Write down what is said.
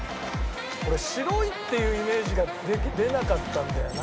俺白いっていうイメージが出なかったんだよな。